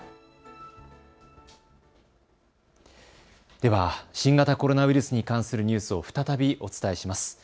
では新型コロナウイルスに関するニュースを再びお伝えします。